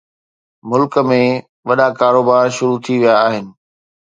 ملڪ ۾ وڏا ڪاروبار شروع ٿي ويا آهن